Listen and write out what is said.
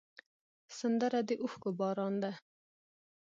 سندره د اوښکو باران ده